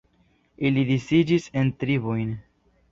Ili disiĝis en tribojn.